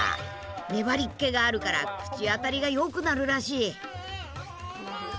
粘りっけがあるから口当たりがよくなるらしい。